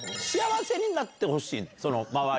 幸せになってほしいの？